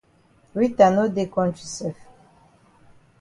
Rita no dey kontri sef.